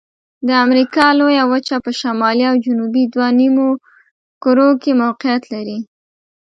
د امریکا لویه وچه په شمالي او جنوبي دوه نیمو کرو کې موقعیت لري.